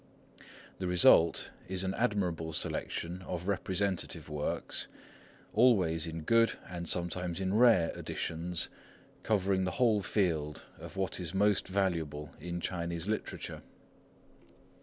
The result is an admirable selection of representative works, always in good, and sometimes in rare, editions, covering the whole field of what is most valuable in Chinese literature.